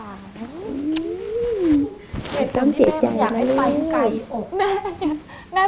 ไม่ต้องเสียใจนะลูก